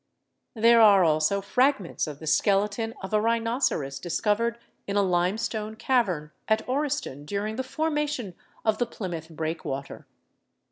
There are also fragments of the skeleton of a rhinoceros discovered in a limestone cavern at Oreston during the formation of the Plymouth Breakwater.